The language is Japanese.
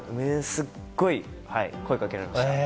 すごい声掛けられました。